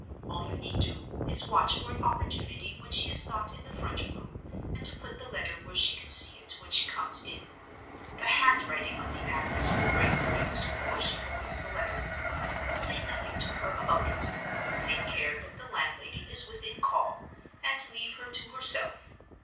All you need do is to watch for an opportunity when she is not in the front room, and to put the letter where she can see it when she comes in. The handwriting on the address will break the news before she opens the letter. Say nothing to her about it—take care that the landlady is within call—and leave her to herself.